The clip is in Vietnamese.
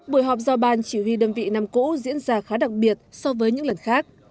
buổi họp do ban chỉ huy đơn vị năm cũ diễn ra khá đặc biệt so với những lần khác